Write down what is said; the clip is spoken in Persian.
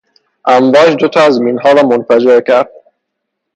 امواج دو تا از مینها را منفجر کرد.